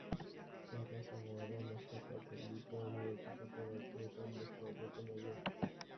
Errazagoa da master bat gainditzea unibertsitate batzuetan beste batzuetan baino.